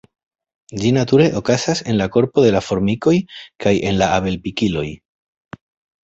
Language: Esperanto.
Ĝi nature okazas en la korpo de la formikoj kaj en la abel-pikiloj.